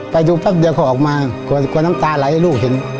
ไปดูแป๊บเดียวเขาออกมากลัวน้ำตาไหลลูกชิ้น